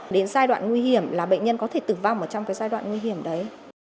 đến giai đoạn nguy hiểm là bệnh nhân có thể tử vong ở trong giai đoạn nguy hiểm đấy